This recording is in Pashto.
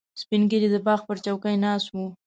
سپین ږیری د باغ پر چوکۍ ناست و.